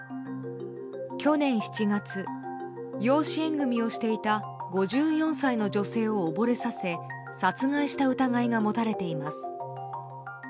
去年７月、養子縁組をしていた５４歳の女性を溺れさせ殺害した疑いが持たれています。